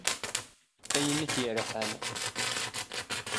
Ayen it-yerḥan.